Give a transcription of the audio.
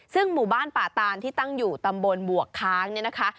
ซึ่งหมู่บ้านป่าตานที่ตั้งอยู่ตำบลบวกค้างเนี่ยนะคะ